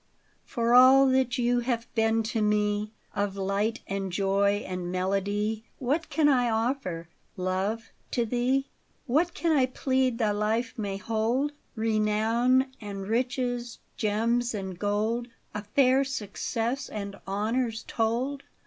OR all that you have been to me, Of light and joy and melody, What can I offer, love, to thee? What can I plead thy life may hold? Renown and riches, gems and gold? A fair success, and honors told